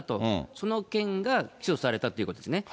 その件が起訴されたということですね。